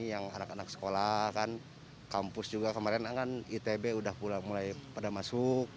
yang anak anak sekolah kan kampus juga kemarin kan itb udah mulai pada masuk